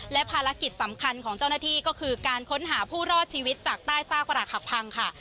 และภารกิจสำคัญของเจ้าหน้าที่ก็คือการค้นหาผู้รอดชีวิตจากใต้ซากประหลักหักพังค่ะ